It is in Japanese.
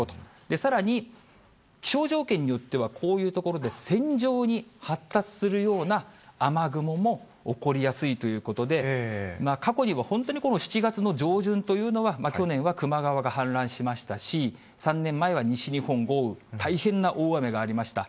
さらに、気象条件によっては、こういう所で、線状に発達するような雨雲も起こりやすいということで、過去にも本当に７月の上旬というのは、去年は球磨川が氾濫しましたし、３年前は西日本豪雨、大変な大雨がありました。